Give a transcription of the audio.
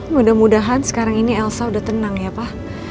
mudah mudahan sekarang ini elsa sudah tenang ya pak